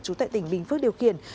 chú tại tỉnh bình phước điều khiển